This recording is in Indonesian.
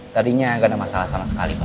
tadinya gak ada masalah sama sekali pak